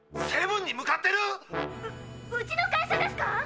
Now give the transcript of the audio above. セブンに向かってる⁉うちの会社ですか